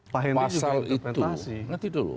pak hendy juga interpretasi